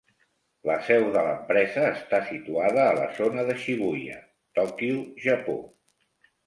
La seu de l'empresa està situada a la zona de Shibuya, Tòquio, Japó.